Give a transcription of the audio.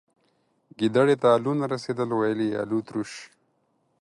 گيدړي ته الو نه رسيدل ، ويل يې الوتروش.